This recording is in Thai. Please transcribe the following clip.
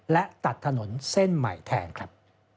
และตัดถนนเส้นใหม่แทนครับ